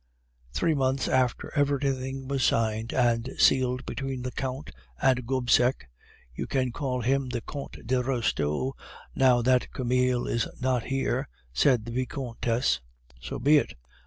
"Three months after everything was signed and sealed between the Count and Gobseck " "You can call him the Comte de Restaud, now that Camille is not here," said the Vicomtesse. "So be it!